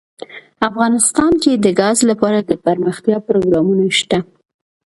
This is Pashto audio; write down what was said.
افغانستان کې د ګاز لپاره دپرمختیا پروګرامونه شته.